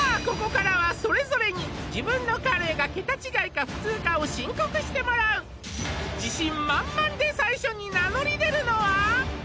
ここからはそれぞれに自分のカレーがケタ違いか普通かを申告してもらう自信満々で最初に名乗り出るのは？